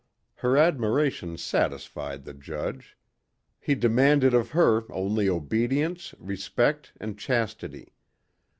Her admiration satisfied the judge. He demanded of her only obedience, respect and chastity.